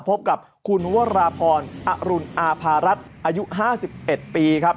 พบกับคุณวราพรอรุณอาภารัฐอายุ๕๑ปีครับ